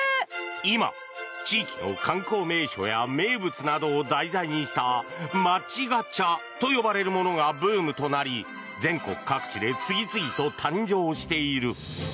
今、地域の観光名所や名物などを題材にした街ガチャと呼ばれるものがブームとなり全国各地で次々と誕生している。